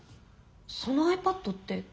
そのｉＰａｄって。